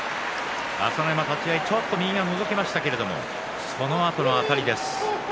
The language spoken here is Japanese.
朝乃山は立ち合いちょっと右がのぞきましたけれどそのあとのあたりです。